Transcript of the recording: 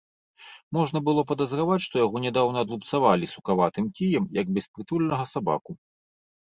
Можна было падазраваць, што яго нядаўна адлупцавалі сукаватым кіем, як беспрытульнага сабаку.